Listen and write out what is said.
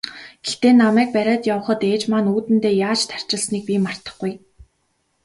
Гэхдээ намайг бариад явахад ээж маань үүдэндээ яаж тарчилсныг би мартахгүй.